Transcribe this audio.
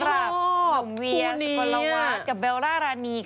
ลวมเวียสุปรวาตกับเบลร่ารานี